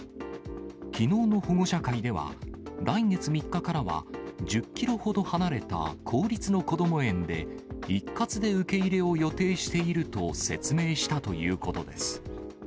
きのうの保護者会では、来月３日からは１０キロほど離れた公立のこども園で、一括で受け入れを予定していると説明したということです。